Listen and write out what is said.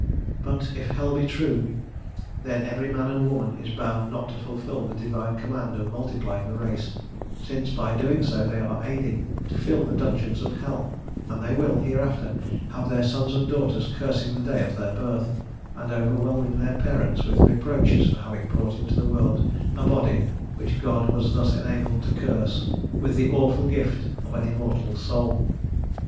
But, if hell be true, then every man and woman is bound not to fulfil the Divine command of multiplying the race, since by so doing they are aiding to fill the dungeons of hell, and they will, hereafter, have their sons and their daughters cursing the day of their birth, and overwhelming their parents with reproaches for having brought into the world a body, which God was thus enabled to curse with the awful gift of an immortal soul.